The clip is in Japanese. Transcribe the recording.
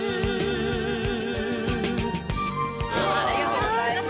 ありがとうございます。